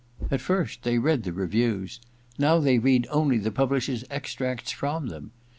At first they read the reviews; now they read only the publishers' extracts from them.